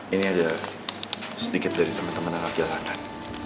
ini ada sedikit dari temen temen anak jalanan